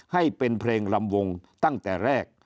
ให้เป็นเพลงลำวงตั้งแต่แรก